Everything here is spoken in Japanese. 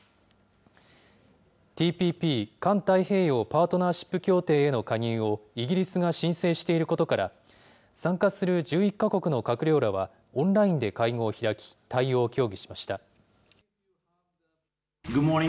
ＴＰＰ・環太平洋パートナーシップ協定への加入をイギリスが申請していることから、参加する１１か国の閣僚らはオンラインで会合を開き、対応を協議しました。